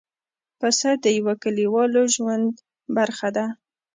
پسه د یوه کلیوالو ژوند برخه ده.